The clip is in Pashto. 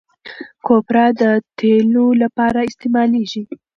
کوپره د تېلو لپاره استعمالیږي.